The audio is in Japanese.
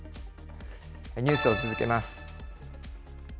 ニュースを続けます。